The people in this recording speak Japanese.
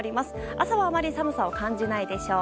朝はあまり寒さを感じないでしょう。